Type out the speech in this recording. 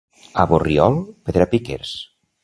A Borriol, pedrapiquers.